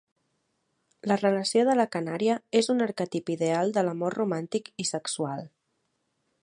La relació de la Canària és un arquetip ideal de l'amor romàntic i sexual.